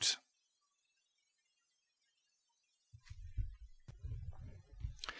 .